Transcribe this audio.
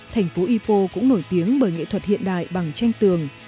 thành phố ipo cũng nổi tiếng bởi nghệ thuật hiện đại bằng tranh tường